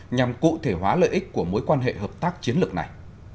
nhằm cụ thể hóa lợi ích của mối quan hệ hợp tác chiến lược này